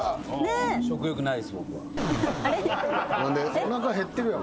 おなか減ってるやろ。